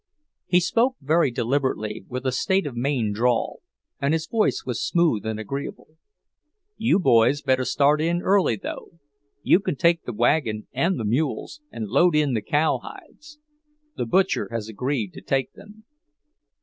He spoke very deliberately, with a State of Maine drawl, and his voice was smooth and agreeable. "You boys better start in early, though. You can take the wagon and the mules, and load in the cowhides. The butcher has agreed to take them."